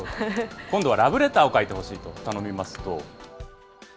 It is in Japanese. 今度はラブレターを書いてほしいと頼みますと。